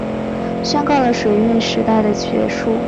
宣告了水运时代的结束